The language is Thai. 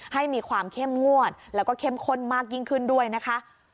ให้มีความเข้มงวดแล้วก็เข้มข้นมากยิ่งขึ้นด้วยนะคะ